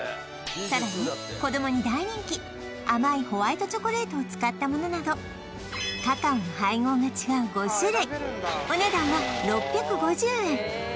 さらに子どもに大人気甘いホワイトチョコレートを使ったものなどカカオの配合が違う５種類お値段は６５０円